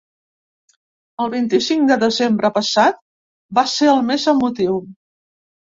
El vint-i-cinc de desembre passat va ser el més emotiu.